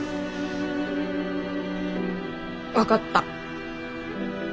分かった。